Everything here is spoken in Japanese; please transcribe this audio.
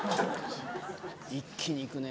一気にいくね。